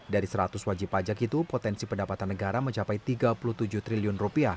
dari seratus wajib pajak itu potensi pendapatan negara mencapai rp tiga puluh tujuh triliun